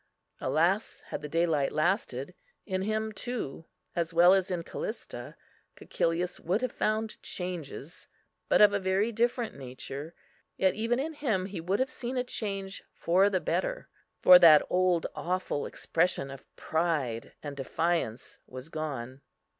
Alas! had the daylight lasted, in him too, as well as in Callista, Cæcilius would have found changes, but of a very different nature; yet even in him he would have seen a change for the better, for that old awful expression of pride and defiance was gone.